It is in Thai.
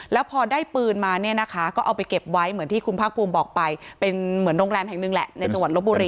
แล้วพอได้ปืนมาก็เอาไปเก็บไว้เหมือนที่คุณภาคพูมบอกไปเป็นโรงแรมแห่งหนึ่งแหละในจังหวัดลับบุหรี